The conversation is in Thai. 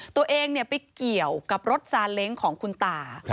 ตัวเองไปเกี่ยวกับรถซาเล้งของคุณตา